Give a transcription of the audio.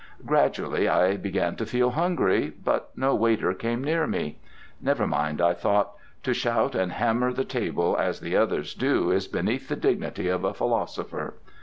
Gradually I began to feel hungry, but no waiter came near me. Never mind, I thought: to shout and hammer the table as the others do is beneath the dignity of a philosopher.